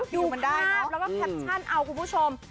ดูภาพแล้วว่าแคปชั่นเอาคุณผู้ชม